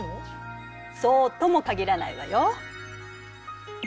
そうとも限らないわよ。